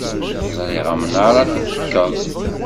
Ẓriɣ amnaṛ ad t-tekkeḍ.